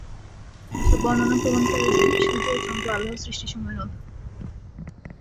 এসব বর্ণনা প্রমাণ করে যে, সূর্য ও চন্দ্র আল্লাহর সৃষ্টিসমূহের অন্তর্ভুক্ত।